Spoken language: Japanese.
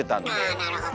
あなるほど。